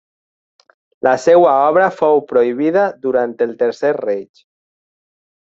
La seva obra fou prohibida durant el Tercer Reich.